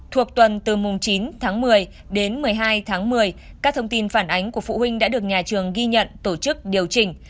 thuộc tuần từ mùng chín tháng một mươi đến một mươi hai tháng một mươi các thông tin phản ánh của phụ huynh đã được nhà trường ghi nhận tổ chức điều chỉnh